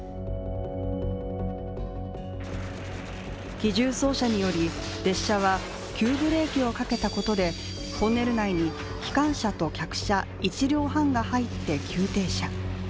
機銃掃射により列車は急ブレーキをかけたことでトンネル内に機関車と客車１両半が入って急停車。